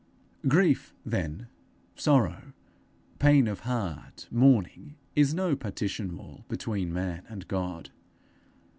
Grief, then, sorrow, pain of heart, mourning, is no partition wall between man and God.